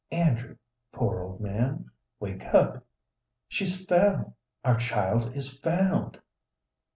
"Andrew, poor old man, wake up; she's found! Our child is found!"